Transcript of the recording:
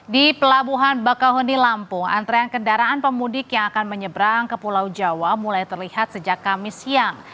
di pelabuhan bakahuni lampung antrean kendaraan pemudik yang akan menyeberang ke pulau jawa mulai terlihat sejak kamis siang